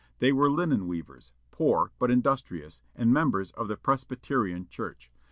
They were linen weavers, poor, but industrious, and members of the Presbyterian Church.